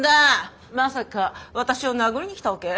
まさか私を殴りに来たわけ？